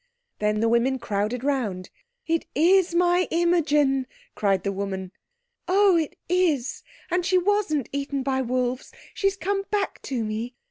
Then the women crowded round. "It is my Imogen!" cried the woman. "Oh it is! And she wasn't eaten by wolves. She's come back to me.